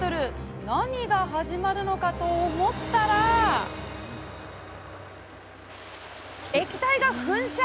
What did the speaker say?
何が始まるのかと思ったら液体が噴射！